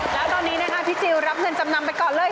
และตอนนี้พี่จิ้วรับเหนือจำนำไปก่อนเลย